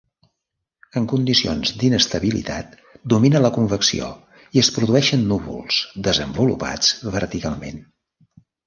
En condicions d'inestabilitat domina la convecció, i es produeixen núvols desenvolupats verticalment.